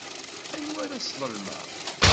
Anwa ara sḍelmeɣ?